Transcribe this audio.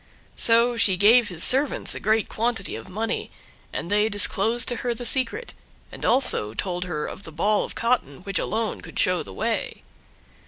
So she gave his servants a great quantity of money, and they disclosed to her the secret, and also told her of the ball of cotton which alone could show the way.